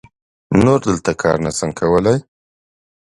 نور دلته کار نه سم کولای.